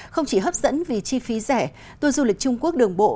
không chỉ hấp dẫn vì chi phí rẻ tour du lịch trung quốc đường bộ